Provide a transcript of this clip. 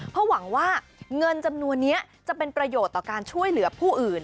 เพราะหวังว่าเงินจำนวนนี้จะเป็นประโยชน์ต่อการช่วยเหลือผู้อื่น